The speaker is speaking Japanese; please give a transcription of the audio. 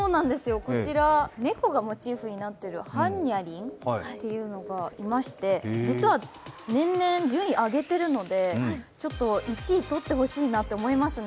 こちら猫がモチーフになってるはんニャリンというのがいまして実は年々、順位を上げているので１位取ってほしいなって思いますね